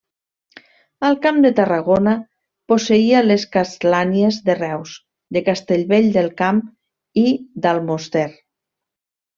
Al Camp de Tarragona posseïa les castlanies de Reus, de Castellvell del Camp i d'Almoster.